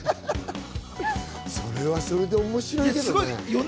それはそれで面白いけどね。